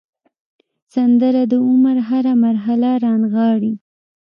سندره د عمر هره مرحله رانغاړي